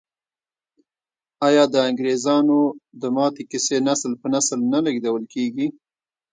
آیا د انګریزامو د ماتې کیسې نسل په نسل نه لیږدول کیږي؟